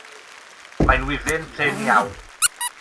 Mae'n wyfyn prin iawn.